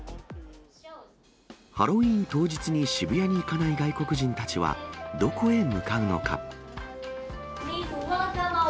ハロウィーン当日に渋谷に行かない外国人たちは、どこへ向かうのか。